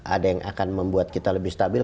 ada yang akan membuat kita lebih stabil